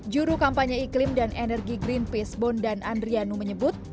juru kampanye iklim dan energi greenpeace bondan andrianu menyebut